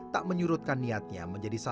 hanya sudah kurang berharga